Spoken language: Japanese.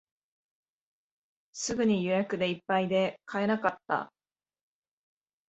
すぐに予約でいっぱいで買えなかった